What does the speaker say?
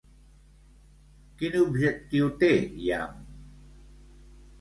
Quin objectiu té Yam?